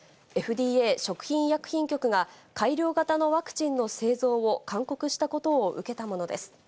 ＦＤＡ・食品医薬品局が、改良型のワクチンの製造を勧告したことを受けたものです。